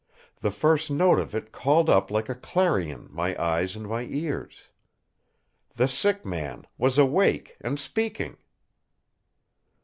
The first note of it called up like a clarion my eyes and my ears. The sick man was awake and speaking!